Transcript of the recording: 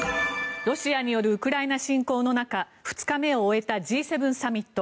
ロシアによるウクライナ侵攻の中２日目を終えたＧ７サミット。